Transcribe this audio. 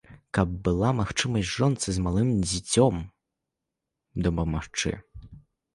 Каб была магчымасць жонцы з малым дзіцем дапамагчы.